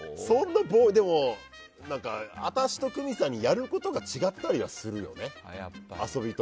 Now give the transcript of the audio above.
あたしと久美さんにやることが違ったりはするよね。